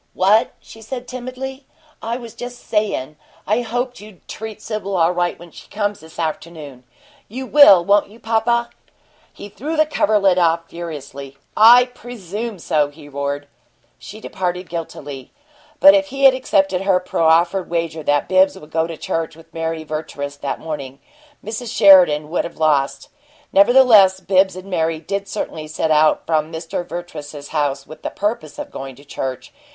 "What?" she said, timidly. "I was just sayin' I hoped you'd treat Sibyl all right when she comes, this afternoon. You will, won't you, papa?" He threw the coverlet off furiously. "I presume so!" he roared. She departed guiltily. But if he had accepted her proffered wager that Bibbs would go to church with Mary Vertrees that morning, Mrs. Sheridan would have lost. Nevertheless, Bibbs and Mary did certainly set out from Mr. Vertrees's house with the purpose of going to church.